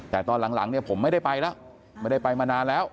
แต่ตอนหลังเนี่ยผมไม่ได้ไปแล้วไม่ได้ไปมานานแล้ว